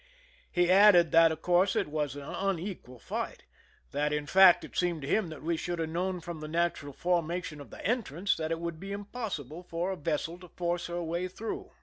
He added that, of course, it was an unequal fight; that, in fact, it seemed, to him that we should have known from the natural formation of the entrance that it would be impossible for a vessel to force her way through.